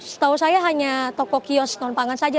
setahu saya hanya toko kios non pangan saja